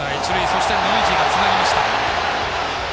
そして、ノイジーがつなぎました。